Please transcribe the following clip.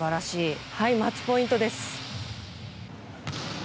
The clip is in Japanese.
マッチポイントです。